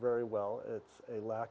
menjelaskannya dengan baik